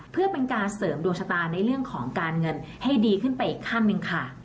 เพื่อเป็นการเสริมดวงชะตาในเรื่องของการเงินให้ดีขึ้นไปอีกขั้นหนึ่งค่ะ